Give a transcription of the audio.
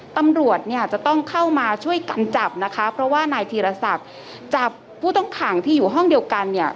ตำรวจเนี่ยจะต้องเข้ามาช่วยกันจับนะคะเพราะว่านายธีรศักดิ์จับผู้ต้องขังที่อยู่ห้องเดียวกันเนี่ย